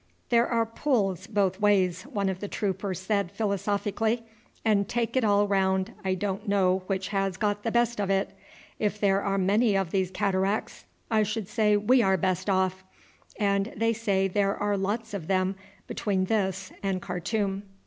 "There are pulls both ways," one of the troopers said philosophically, "and take it all round I don't know which has got the best of it. If there are many of these cataracts I should say we are best off, and they say there are lots of them between this and Khartoum."